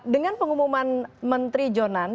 dengan pengumuman menteri jonan